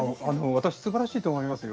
私はすばらしいと思いますよ。